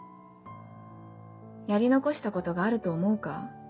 「やり残したことがあると思うか？